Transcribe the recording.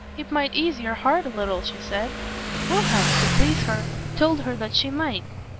"It might ease your heart a little," she said. Wilhelm, to please her, told her that she might.